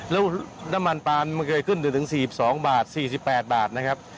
แล้วน้ำมันปาล์มันเคยขึ้นไปถึง๔๒บาท๔๘บาทนะครับ